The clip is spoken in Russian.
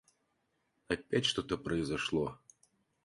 Опять что-то произошло!